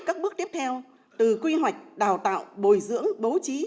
các bước tiếp theo từ quy hoạch đào tạo bồi dưỡng bố trí